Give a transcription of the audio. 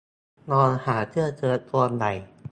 ลองหาเสื้อเชิ้ตตัวใหญ่